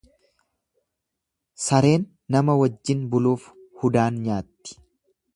Sareen nama wajjin buluuf hudaan nyaatti.